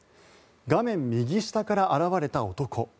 画面右下から現れた男。